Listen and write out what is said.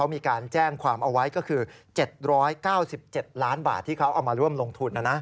มีการแจ้งความเอาไว้ก็คือ๗๙๗ล้านบาทที่เขาเอามาร่วมลงทุน